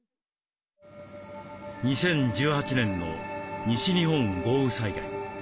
２０１８年の西日本豪雨災害。